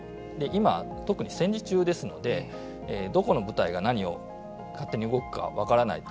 今、特に戦時中ですのでどこの部隊が何を勝手に動くか分からないと。